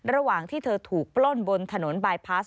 ระหว่างที่เธอถูกปล้นบนถนนบายพลาส